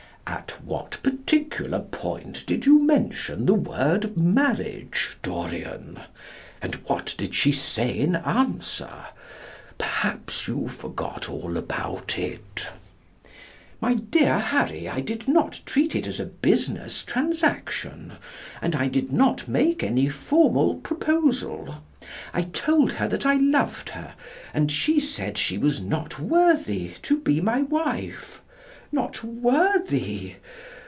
"At what particular point did you mention the word marriage, Dorian? and what did she say in answer? Perhaps you forgot all about it." "My dear Harry, I did not treat it as a business transaction, and I did not make any formal proposal. I told her that I loved her, and she said she was not worthy to be my wife. Not worthy!